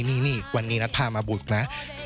นี่วันนี้นัทพามาบุกนะ